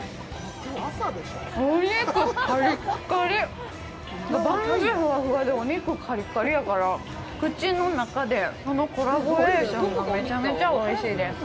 お肉カリッカリバンズふわふわでお肉カリカリやから口の中でそのコラボレーションがめちゃめちゃおいしいです